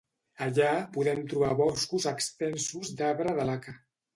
Allà podem trobar boscos extensos d'arbre de laca.